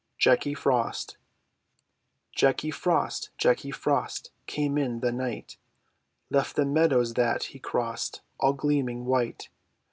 JACKY FROST Jacky Frost, Jacky Frost, Came in the night; Left the meadows that he crossed All gleaming white.